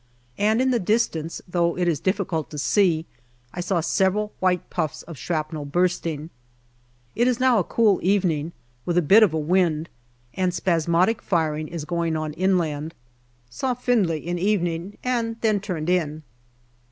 And in the distance, though it is difficult to see, I saw several white puffs of shrapnel bursting. It is now a cool evening, with a bit of a wind, and spasmodic firing is going on inland. Saw Finlay in evening and then turned in.